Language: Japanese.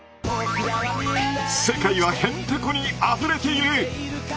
世界はへんてこにあふれている！